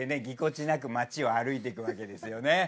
ぎこちなく街を歩いてくわけですよね。